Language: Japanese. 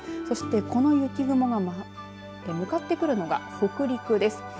そして、この雪雲が向かってくるのが北陸です。